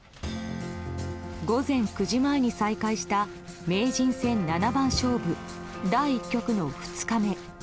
午前９時前に再開した名人戦七番勝負第１局の２日目。